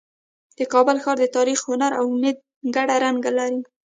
د کابل ښار د تاریخ، هنر او امید ګډ رنګ لري.